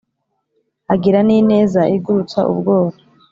Agira n'ineza igurutsa ubworo